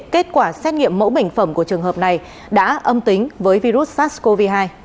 kết quả xét nghiệm mẫu bệnh phẩm của trường hợp này đã âm tính với virus sars cov hai